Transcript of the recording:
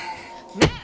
ねえ！